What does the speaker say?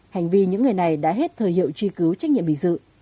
hành vi những người này đã hết thời hiệu truy cứu trách nhiệm hình sự